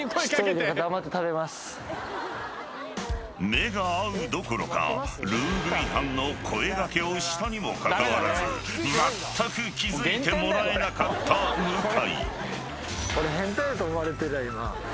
［目が合うどころかルール違反の声掛けをしたにもかかわらずまったく気付いてもらえなかった向井］